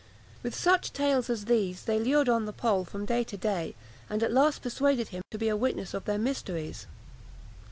With such tales as these they lured on the Pole from day to day, and at last persuaded him to be a witness of their mysteries.